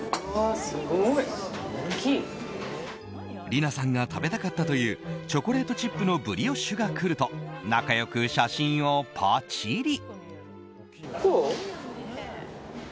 りなさんが食べたかったというチョコレートチップのブリオッシュが来ると仲良く写真をパチリ！